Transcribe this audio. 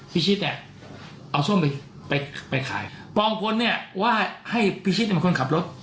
พิชิตเนี่ยเอาส้มไปไปขายปองพลเนี่ยว่าให้พิชิตเป็นคนขับรถ